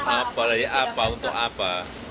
apa lagi apa untuk apa